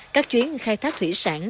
các chuyến khai thác thủy sản